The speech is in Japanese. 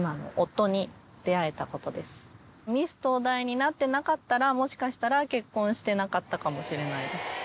東大になってなかったらもしかしたら結婚してなかったかもしれないです